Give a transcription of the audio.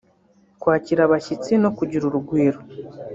kwakira abashyitsi no kugira urugwiro